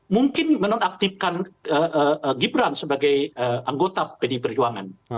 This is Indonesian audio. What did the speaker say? mungkin menonaktifkan gibran sebagai anggota pdi perjuangan